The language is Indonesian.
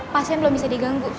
pasien belum bisa diganggu